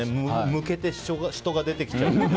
むけて人が出てきちゃう。